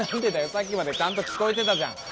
さっきまでちゃんときこえてたじゃん。